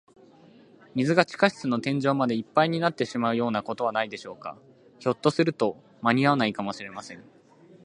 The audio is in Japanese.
水が地下室の天井までいっぱいになってしまうようなことはないでしょうか。ひょっとすると、まにあわないかもしれません。